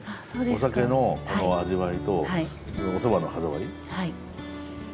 お酒の味わいとおそばの歯触り。